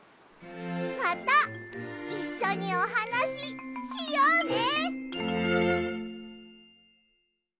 またいっしょにおはなししようね！